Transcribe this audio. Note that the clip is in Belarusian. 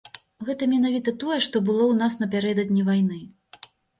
Гэта менавіта тое, што было ў нас напярэдадні вайны.